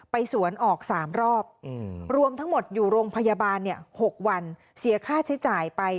สวนออก๓รอบรวมทั้งหมดอยู่โรงพยาบาล๖วันเสียค่าใช้จ่ายไป